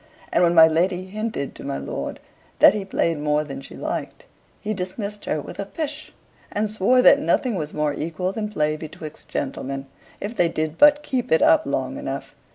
And when my lady hinted to my lord that he played more than she liked, he dismissed her with a "pish," and swore that nothing was more equal than play betwixt gentlemen, if they did but keep it up long enough.